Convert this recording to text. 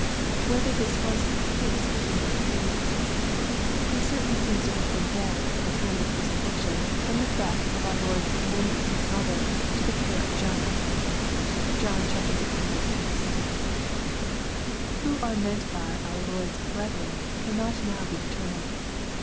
Whether this was the case we do not know. He ceitainly seems to have been dead at the time of the crucifixion. LUKE, CHAP. Vin. 261 from the tact of our Lord commending His motJier to the care of John, (^ohn xix. 27.) Who are meant by our Lord's *' brethren," cannot now be determined.